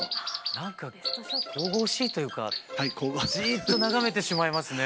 何か神々しいというかじっと眺めてしまいますね。